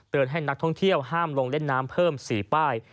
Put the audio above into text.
ให้นักท่องเที่ยวห้ามลงเล่นน้ำเพิ่ม๔ป้าย